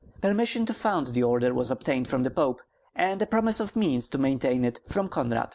Permission to found the order was obtained from the Pope, and a promise of means to maintain it from Konrad.